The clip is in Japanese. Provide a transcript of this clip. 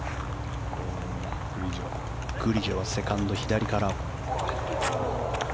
グリジョはセカンド、左から。